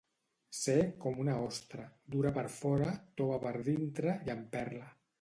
Ser com una ostra, dura per fora, tova per dintre i amb perla.